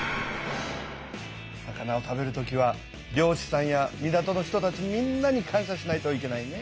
魚を食べる時は漁師さんや港の人たちみんなに感しゃしないといけないね。